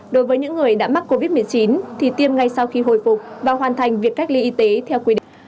đối với những người đã mắc covid một mươi chín thì tiêm ngay sau khi hồi phục và hoàn thành việc cách ly y tế theo quy định